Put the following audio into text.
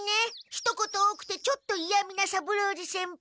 ひと言多くてちょっといやみな三郎次先輩。